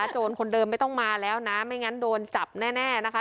โจรคนเดิมไม่ต้องมาแล้วนะไม่งั้นโดนจับแน่นะคะ